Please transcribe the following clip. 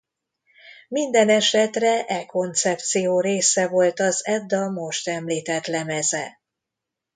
Mindenesetre e koncepció része volt az Edda most említett lemeze.